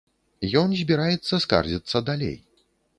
Ён збіраецца скардзіцца далей.